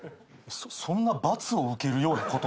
そんな罰を受けるようなことなの？